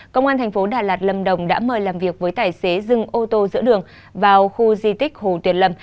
công an thành phố đà lạt lâm đồng đã mời làm việc với tài xế dừng ô tô giữa đường vào khu di tích hồ tuyền lâm